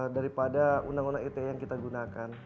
daripada undang undang ite yang kita gunakan